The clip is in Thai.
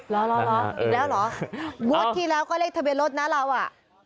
แล้วเหรออีกแล้วเหรอโบสถ์ทีแล้วก็เลขทะเบียนลดนะเรา